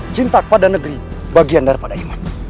cintak pada negeri bagian daripada iman